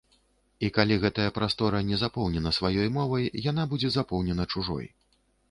І калі гэтая прастора не запоўнена сваёй мовай, яна будзе запоўнена чужой.